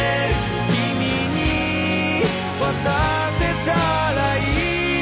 「君に渡せたらいい」